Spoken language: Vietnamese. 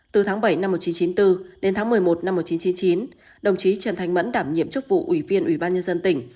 từ tháng bảy năm một nghìn chín trăm chín mươi bốn đến tháng một mươi một năm một nghìn chín trăm chín mươi chín đồng chí trần thanh mẫn đảm nhiệm chức vụ ủy viên ủy ban nhân dân tỉnh